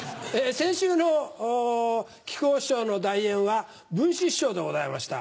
先週の木久扇師匠の代演は文枝師匠でございました。